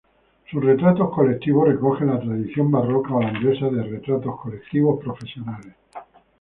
Sus retratos colectivos recogen la tradición barroca holandesa de retratos colectivos profesionales.